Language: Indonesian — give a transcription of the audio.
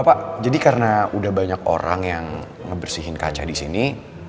pak jadi karena udah banyak orang yang ngebersihin kaca di sini